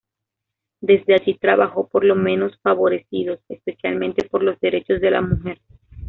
Desde allí trabajó por los menos favorecidos, especialmente por los derechos de la mujer.